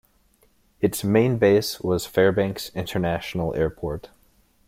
Its main base was Fairbanks International Airport.